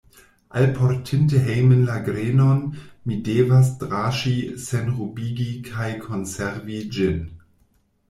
Alportinte hejmen la grenon, mi devas draŝi, senrubigi kaj konservi ĝin.